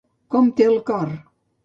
Com té el cor?